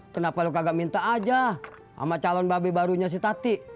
kenapa lo kagak minta aja sama calon babe barunya si tati